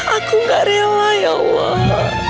aku gak rela ya allah